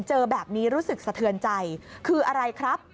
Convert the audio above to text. เจอแบบนี้รู้สึกสะเทือนใจคืออะไรครับ